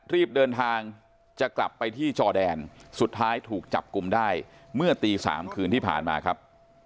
รีบเดินทางจะกลับไปที่จอแดนสุดท้ายถูกจับกลุ่มได้เมื่อตี๓คืนที่ผ่านมาครับ